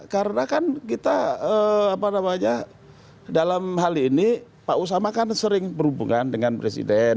karena kan kita apa namanya dalam hal ini pak usama kan sering berhubungan dengan presiden